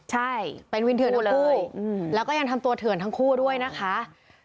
ใช่เป็นวินเถื่อนหมดเลยแล้วก็ยังทำตัวเถื่อนทั้งคู่ด้วยนะคะ